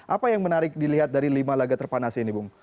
apa yang menarik dilihat dari lima laga terpanas ini bung